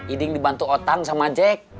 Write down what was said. iding dibantu otang sama jack